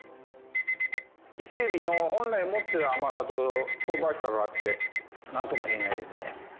伊勢えびの本来持っている甘さと香ばしさがあってなんとも言えないですね。